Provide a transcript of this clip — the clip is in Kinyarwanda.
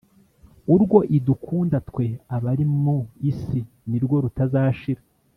Urwo idukunda twe abari mu isi nirwo rutazashira